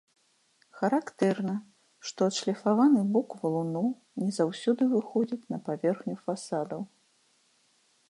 Характэрна, што адшліфаваны бок валуноў не заўсёды выходзіць на паверхню фасадаў.